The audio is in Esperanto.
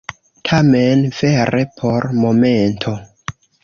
Tamen vere por momento.